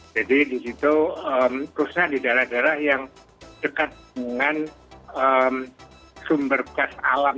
jadi di situ terusnya di daerah daerah yang dekat dengan sumber gas awam